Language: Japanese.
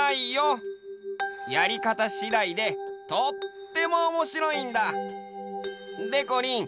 やりかたしだいでとってもおもしろいんだ！でこりん